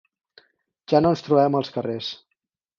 Ja no ens trobem als carrers.